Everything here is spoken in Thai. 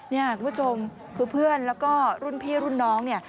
เนี่ยคุณผู้ชมคือเพื่อนแล้วก็รุ่นพี่รุ่นน้องเนี่ย